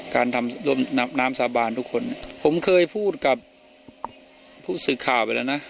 การทำร่วมน้ำน้ำสาบานทุกคนผมเคยพูดกับผู้สื่อข่าวไปแล้วนะ